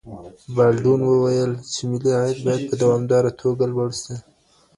بالډون وويل چي ملي عايد بايد په دوامداره توګه لوړ سي.